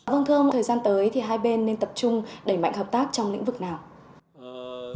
vâng thưa ông thời gian tới thì hai bên nên tập trung đẩy mạnh hợp tác trong lĩnh vực nào